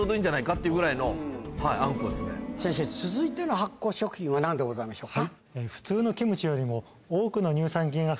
先生続いての発酵食品は何でございましょうか？